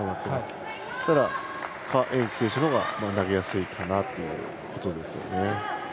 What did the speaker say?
ただ、何宛淇選手のほうが投げやすいかなということですね。